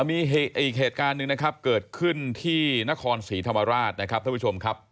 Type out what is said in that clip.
มีอีกเหตุการณ์หนึ่งนะครับเกิดขึ้นที่นครศรีธรรมราชนะครับท่านผู้ชมครับ